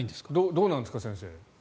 どうなんですか先生。